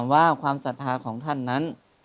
ว่าความศรัทธาของท่านนั้น